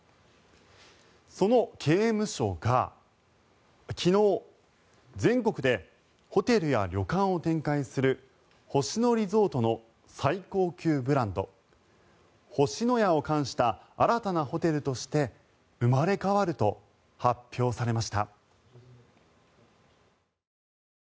その刑務所が昨日全国でホテルや旅館を展開する星野リゾートの最高級ブランド星のやを冠した新たなホテルとして生まれ変わると発表されました。